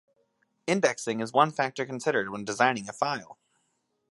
Indexing is one factor considered when designing a file.